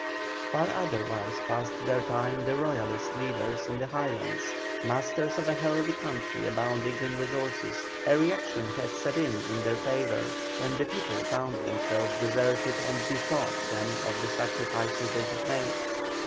Far otherwise passed their time the Royalist leaders in the Highlands. Masters of a healthy country abounding in resources, a reaction had set in in their favour, when the people found themselves deserted and bethought them of the sacrifices they had made.